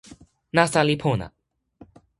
nasa li pona.